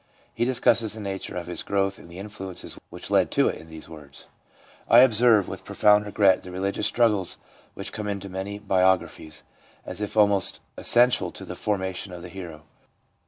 He discusses the nature of his growth and the influences which led to it in these words :' I observe, with profound regret, the religious struggles which come into many biographies, as if almost essen tial to the formation of the hero.